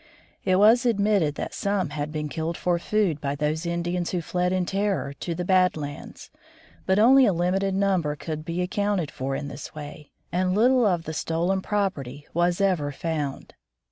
It was admitted that some had been killed for food by those Indians who fled in terror to the "Bad Lands," but only a limited number could be accounted for in this way, and little of the stolen property was ever found.